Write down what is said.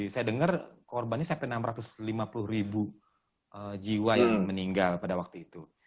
saya dengar korbannya sampai enam ratus lima puluh ribu jiwa yang meninggal pada waktu itu